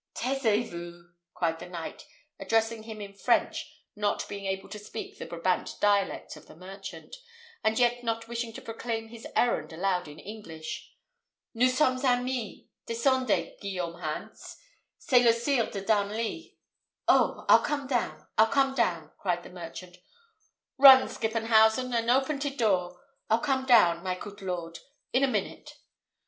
"Taisez vous!" cried the knight, addressing him in French, not being able to speak the Brabant dialect of the merchant, and yet not wishing to proclaim his errand aloud in English. "Nous sommes amis; descendez, Guillaume Hans: c'est le Sire de Darnley." "Oh! I'll come down, I'll come down," cried the merchant "Run, Skippenhausen, and open te door. I'll come down, my coot lord, in a minute."